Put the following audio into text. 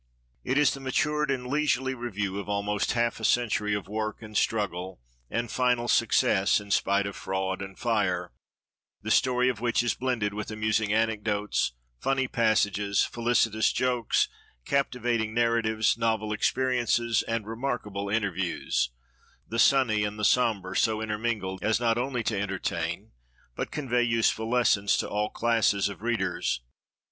It is the matured and leisurely review of almost half a century of work and struggle, and final success, in spite of fraud and fire the story of which is blended with amusing anecdotes, funny passages, felicitous jokes, captivating narratives, novel experiences, and remarkable interviews the sunny and sombre so intermingled as not only to entertain, but convey useful lessons to all classes of readers.